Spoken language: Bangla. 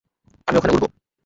আমি ওখানে উড়বো।